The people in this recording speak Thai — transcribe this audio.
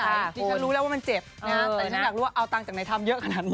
นี่ฉันรู้แล้วว่ามันเจ็บนะแต่ฉันอยากรู้ว่าเอาตังค์จากไหนทำเยอะขนาดนี้